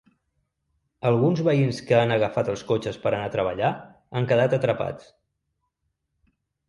Alguns veïns que han agafat els cotxes per anar a treballar han quedat atrapats.